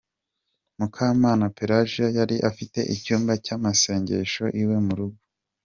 Mukamana Pelagie yari afite icyumba cy’amasengesho iwe mu rugo